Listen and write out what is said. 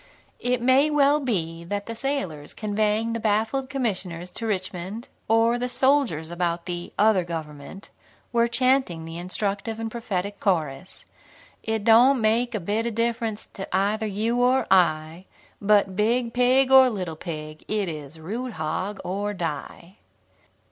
It may well be that the sailors conveying the baffled commissioners to Richmond, or the soldiers about the "other government," were chanting the instructive and prophetic chorus: "It doan' make a bit of difference to either you or I, but Big Pig or Little Pig, it is Root, Hog, or Die."